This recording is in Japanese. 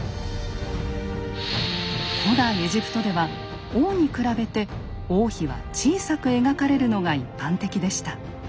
古代エジプトでは王に比べて王妃は小さく描かれるのが一般的でした。